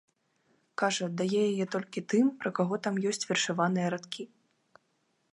Кажа, дае яе толькі тым, пра каго там ёсць вершаваныя радкі.